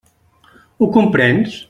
Ho comprens?